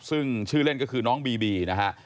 ซึ่งชื่อเล่นก็คือน้องบีบีนะฮะ